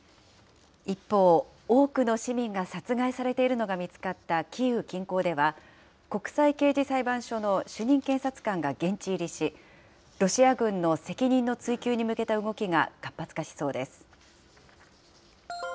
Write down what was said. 一方、多くの市民が殺害されているのが見つかったキーウ近郊では、国際刑事裁判所の主任検察官が現地入りし、ロシア軍の責任の追及に向けた動きが活発化しそうです。